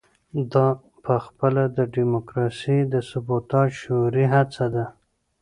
دا پخپله د ډیموکراسۍ د سبوتاژ شعوري هڅه ده.